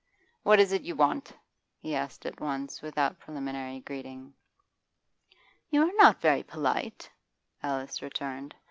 'What is it you want?' he asked at once, without preliminary greeting. 'You are not very polite,' Alice returned.